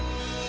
mama gak rela